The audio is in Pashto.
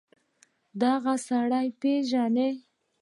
دغه سړى پېژنې.